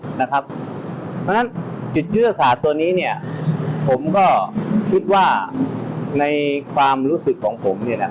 เพราะฉะนั้นจิตวิทยาศาสตร์ตัวนี้ผมก็คิดว่าในความรู้สึกของผม